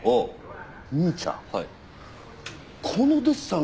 兄ちゃん